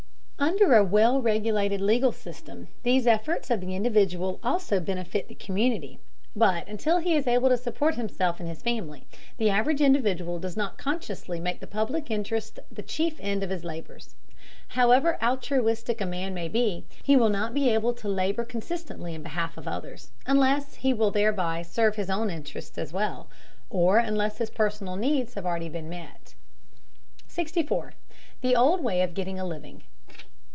Under a well regulated legal system these efforts of the individual also benefit the community, but until he is able to support himself and his family, the average individual does not consciously make the public interest the chief end of his labors. However altruistic a man may be, he will not be able to labor consistently in behalf of others, unless he will thereby serve his own interests as well, or unless his personal needs have already been met. 64. THE OLD WAY OF GETTING A LIVING.